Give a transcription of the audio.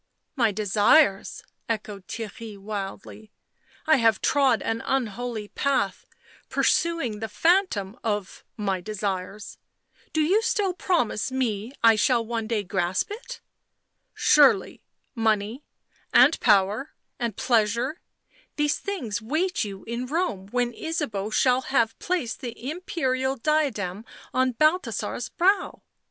My desires !" echoed Theirry wildly. " I have trod an unholy path, pursuing the phantom of — my desires ? Do you still promise me I shall one day grasp it?" " Surely — money — and power and pleasure — these things wait you in Rome when Ysabeau shall have placed the imperial diadem on Balthasar's brow.